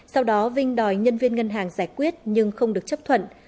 sau đó vinh đòi nhân viên ngân hàng giải quyết nhưng không được chấp thuận